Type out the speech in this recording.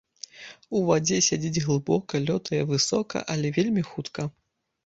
У вадзе сядзіць глыбока, лётае высока, але вельмі хутка.